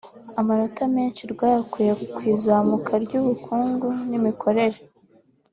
Amanota menshi rwayakuye ku izamuka ry’ ubukungu n’ imiyoborere